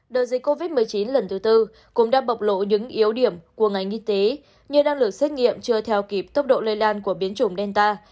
đợt dịch covid một mươi chín lần thứ tư cũng đã bộc lộ những yếu điểm của ngành y tế như năng lực xét nghiệm chưa theo kịp tốc độ lây lan của biến chủng delta